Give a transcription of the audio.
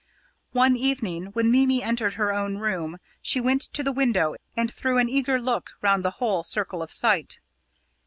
One evening, when Mimi entered her own room, she went to the window and threw an eager look round the whole circle of sight.